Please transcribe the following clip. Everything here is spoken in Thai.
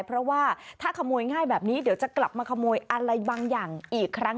เพราะว่าถ้าขโมยง่ายแบบนี้เดี๋ยวจะกลับมาขโมยอะไรบางอย่างอีกครั้ง